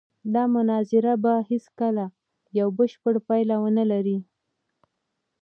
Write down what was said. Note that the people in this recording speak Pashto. دا مناظره به هېڅکله یوه بشپړه پایله ونه لري.